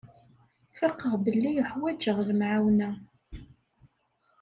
Faqeɣ belli uḥwaǧeɣ lemɛawna.